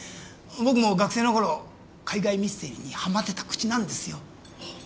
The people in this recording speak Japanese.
僕も学生のころ海外ミステリーにはまってた口なんですよ。ああ。